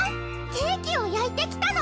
ケーキを焼いてきたの！